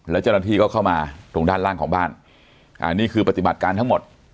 แล้วเจ้าหน้าที่ก็เข้ามาตรงด้านล่างของบ้านอันนี้คือปฏิบัติการทั้งหมด